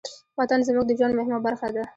وطن زموږ د ژوند مهمه برخه ده.